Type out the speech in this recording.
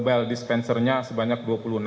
well dispensernya sebanyak dua puluh enam